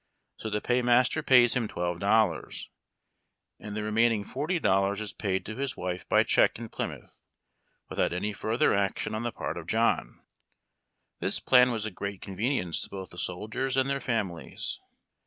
so the paymaster pays him $12, and the remaining $40 is paid to his wife by check in Plymouth, without any further action on the part of John. This plan was a great convenience to both the soldiers and their families.